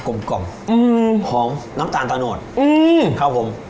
กลมกล่อมอื้อฮือหอมน้ำตาลตาโนดอื้อครับผม